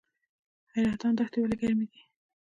حیرتان دښتې ولې ګرمې دي؟